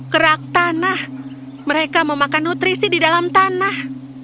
krakthana mereka memakan nutrisi di dalam tanah